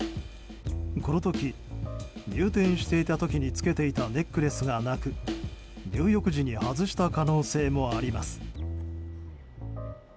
この時、入店していた時に着けていたネックレスがなく入浴時に外した可能性もあります。